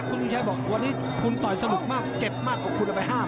คุณอุ้ยชายบอกว่าวันนี้คุณต่อยสนุกมากเจ็บมากเอาคุณไปห้าม